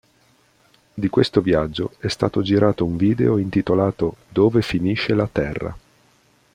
Di questo viaggio è stato girato un video intitolato "Dove finisce la terra".